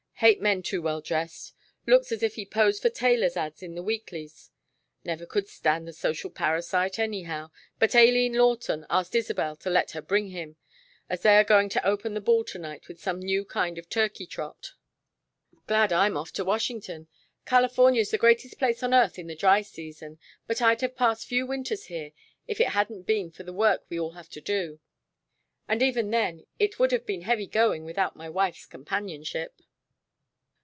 "Hate men too well dressed. Looks as if he posed for tailors' ads in the weeklies. Never could stand the social parasite anyhow, but Aileen Lawton asked Isabel to let her bring him, as they are going to open the ball to night with some new kind of turkey trot. "Glad I'm off for Washington. California's the greatest place on earth in the dry season, but I'd have passed few winters here if it hadn't been for the work we all had to do, and even then it would have been heavy going without my wife's companionship."